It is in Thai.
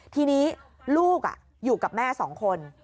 ทีนี้ลูกอยู่กับแม่๒คน